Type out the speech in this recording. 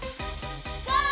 ゴー！